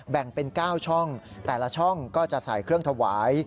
แบ่งเป็น๙ช่องแต่ละช่องก็จะใส่เครื่องถวาย